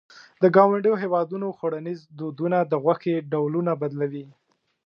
د ګاونډیو هېوادونو خوړنيز دودونه د غوښې ډولونه بدلوي.